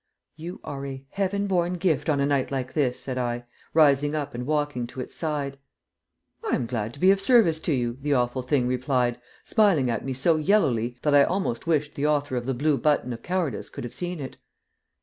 "You are a heaven born gift on a night like this," said I, rising up and walking to its side. "I am glad to be of service to you," the Awful Thing replied, smiling at me so yellowly that I almost wished the author of the Blue Button of Cowardice could have seen it.